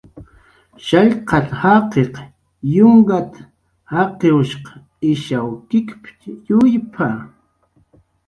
"Shallqat"" jaqiq yunkat"" jaqiwsh ishaw kikip""tx yuyp""a "